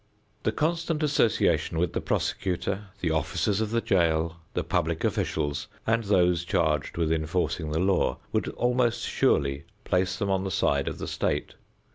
The constant association with the prosecutor, the officers of the jail, the public officials, and those charged with enforcing the law, would almost surely place them on the side of the state.